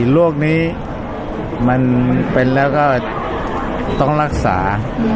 โรคนี้มันเป็นแล้วก็ต้องรักษา